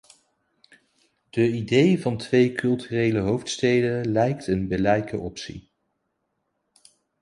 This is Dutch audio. De idee van twee culturele hoofdsteden lijkt een billijke optie.